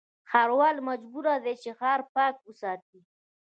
ښاروال مجبور دی چې، ښار پاک وساتي.